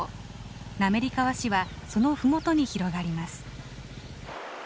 滑川市はその麓に広がります。